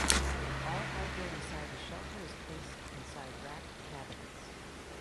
All hardware inside the shelter is placed inside racked cabinets.